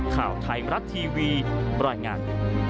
ข่าวไทยรัตทีวีปร่อยงาน